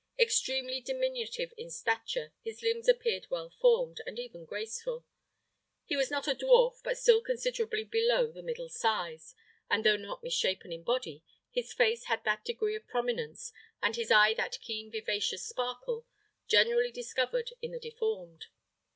Extremely diminutive in stature, his limbs appeared well formed, and even graceful. He was not a dwarf, but still considerably below the middle size; and though not misshapen in body, his face had that degree of prominence, and his eye that keen vivacious sparkle, generally discovered in the deformed.